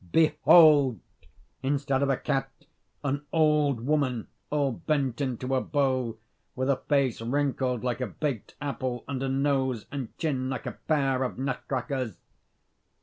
Behold, instead of a cat, an old woman all bent into a bow, with a face wrinkled like a baked apple, and a nose and chin like a pair of nutcrackers.